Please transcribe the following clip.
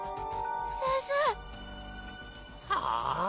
先生はぁ？